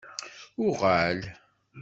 Uɣal.